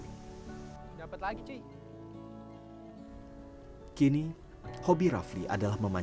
rafli tidak bisa bermain terlalu aktif seperti dulu